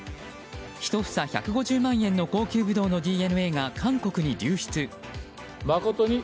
１房１５０万円の高級ブドウのＤＮＡが韓国に流出。